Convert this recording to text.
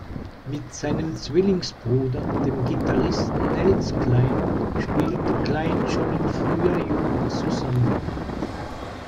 Mit seinem Zwillingsbruder, dem Gitarristen Nels Cline spielte Cline schon in früher Jugend zusammen.